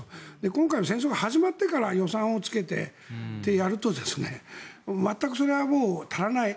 今回の戦争が始まってから予算をつけてってやると全くそれは足りない。